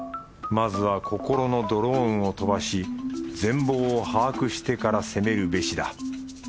まずは心のドローンを飛ばし全貌を把握してから攻めるべしだ。